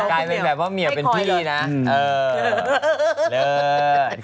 กลายเป็นแบบว่าเมียเป็นพี่นะ